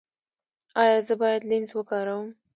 ایا زه باید لینز وکاروم؟